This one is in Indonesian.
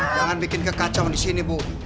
jangan bikin kekacauan di sini bu